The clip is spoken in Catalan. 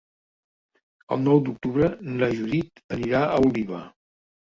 El nou d'octubre na Judit anirà a Oliva.